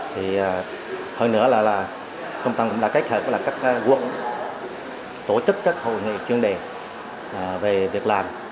thì hơn nữa là trung tâm cũng đã kết hợp với các quận tổ chức các hội nghị chuyên đề về việc làm